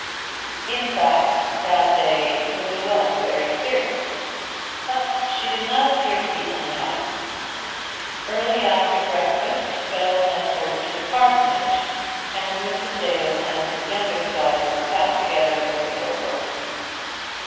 In fact that day Lily was very serious, but she did not appear to be unhappy. Early after breakfast Bell went over to the parsonage, and Mrs. Dale and her youngest daughter sat together over their work.